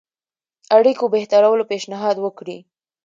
اړيکو بهترولو پېشنهاد وکړي.